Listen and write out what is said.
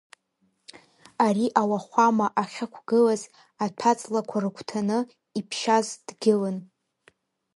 Ари ауахәама ахьықәгылаз, аҭәаҵлақәа рыгәҭаны, иԥшьаз дгьылын.